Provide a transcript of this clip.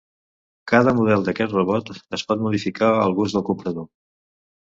Cada model d'aquest robot es pot modificar al gust del comprador.